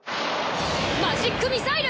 マジックミサイル！